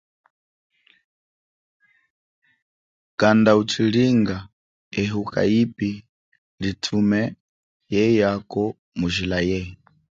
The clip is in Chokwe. Kanda uchilinga ehuka yipi litume yeyako mu jila ye.